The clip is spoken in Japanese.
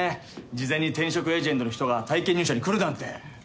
事前に転職エージェントの人が体験入社に来るなんて。